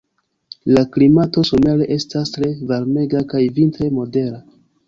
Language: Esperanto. La klimato somere estas tre varmega kaj vintre modera.